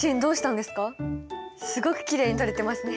すごくきれいに撮れてますね。